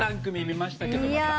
３組見ましたけど。